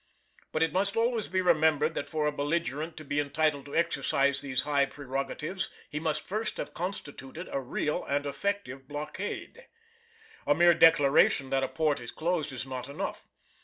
But it must always be remembered that for a belligerent to be entitled to exercise these high prerogatives he must first have constituted a real and effective blockade. A mere declaration that a port is closed is not enough.